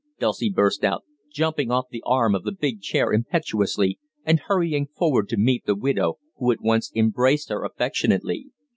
Dulcie burst out, jumping off the arm of the big chair impetuously, and hurrying forward to meet the widow, who at once embraced her affectionately.